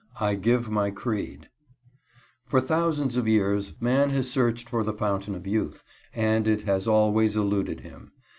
VII I GIVE MY CREED For thousands of years man has searched for the Fountain of Youth, and it has always eluded him.